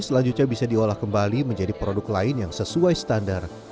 selanjutnya bisa diolah kembali menjadi produk lain yang sesuai standar